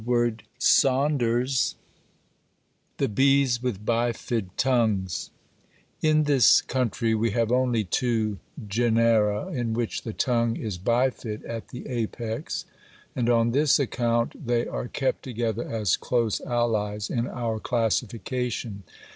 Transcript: THE BEES WITH BIFID TONGUES In this country we have only two genera in which the tongue is bifid at the apex, and on this account they are kept together as close allies in our classification.